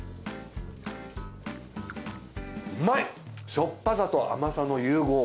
しょっぱさと甘さの融合。